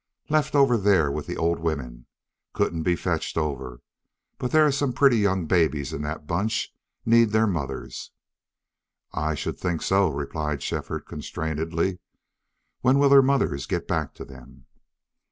"Left over there with the old women. Couldn't be fetched over. But there are some pretty young babies in that bunch need their mothers." "I should think so," replied Shefford, constrainedly. "When will their mothers get back to them?"